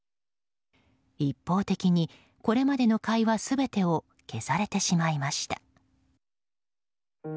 一方的にこれまでの会話全てを消されてしまいました。